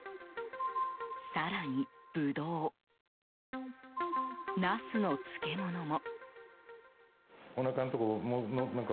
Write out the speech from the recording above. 更にブドウ、ナスの漬物も。